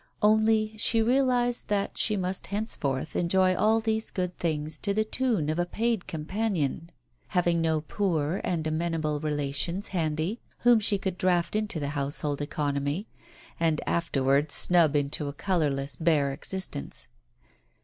Only she realized that she must henceforth enjoy all these good things to the tune of a p^id companion, having no poor and amenable relations handy whom she could draft into the household economy, and afterwards snub into a colourless, bare existence.